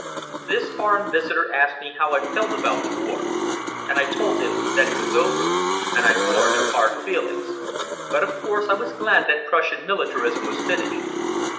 This foreign visitor asked me how I felt about the war, and I told him that it was over, and I bore no hard feelings, but of course I was glad that Prussian militarism was finished.